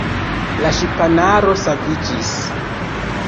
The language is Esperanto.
La ŝipanaro saviĝis.